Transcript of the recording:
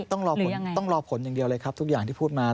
ต้องรอผลต้องรอผลอย่างเดียวเลยครับทุกอย่างที่พูดมา